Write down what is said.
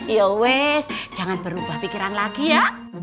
yowes jangan berubah pikiran lagi ya